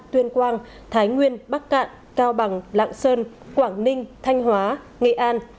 tuyên quang thái nguyên bắc cạn cao bằng lạng sơn quảng ninh thanh hóa nghệ an